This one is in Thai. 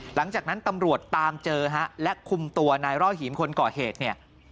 หลังจากนั้นตำรวจตามเจอฮะและคุมตัวนายร่อหิมคนก่อเหตุเนี่ย